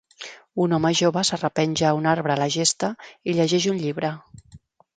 Un home jove s'arrepenja a un arbre a la gesta i llegeix un llibre